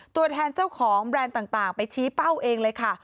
ตัวแทนเจ้าของแบรนด์ต่างไปชี้เป้าเองเลยค่ะ